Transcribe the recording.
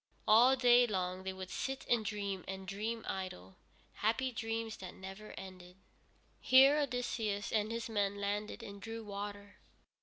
All day long they would sit and dream and dream idle, happy dreams that never ended. Here Odysseus and his men landed and drew water.